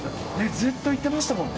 ずっと言ってましたもんね。